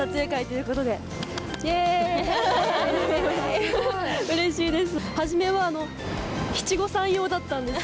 うれしいです。